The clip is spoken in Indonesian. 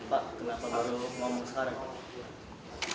pak kenapa baru ngomong sekarang